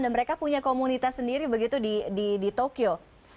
dan mereka punya komunitas sendiri begitu di tokyo